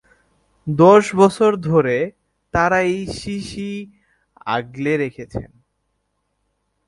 দশ বছর ধরে তাঁরা এই শিশি আগলে রেখেছেন।